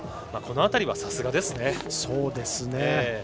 この辺りはさすがですね。